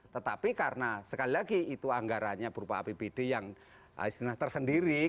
tetapi karena sekali lagi itu anggarannya berupa apbd yang istilah tersendiri